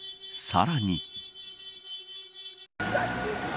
さらに。